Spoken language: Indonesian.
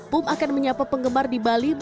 pum akan menyapa penggemar di bali bersama dengan pum